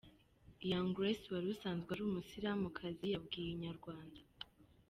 Young Grace wari usanzwe ari umusilamukazi yabwiye Inyarwanda.